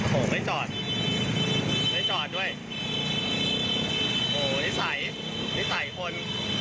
ผมไม่จอดไม่จอดด้วยโหนิสัยนิสัยคน